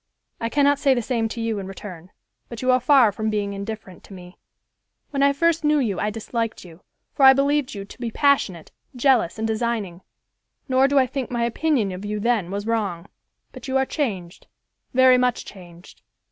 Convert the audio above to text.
I cannot say the same to you in return, but you are far from being indifferent to me. When I first knew you I disliked you, for I believed you to be passionate, jealous and designing; nor do I think my opinion of you then was wrong; but you are changed, very much changed.